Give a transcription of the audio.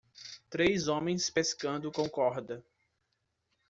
Três homens pescando com corda.